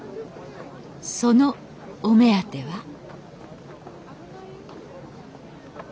そのお目当ては？